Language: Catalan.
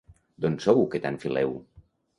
D'on sou que tant fileu?